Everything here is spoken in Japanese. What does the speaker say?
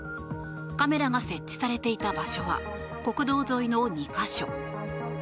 カメラが設置されていた場所は国道沿いの２か所。